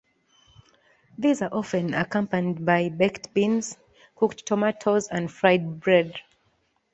These are often accompanied by baked beans, cooked tomatoes, and fried bread.